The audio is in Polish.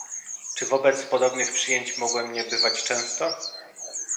"Czy wobec podobnych przyjęć mogłem nie bywać często?"